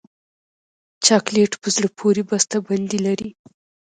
چاکلېټ په زړه پورې بسته بندي لري.